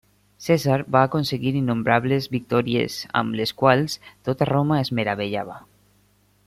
Cèsar va aconseguir innombrables victòries, amb les quals tota Roma es meravellava.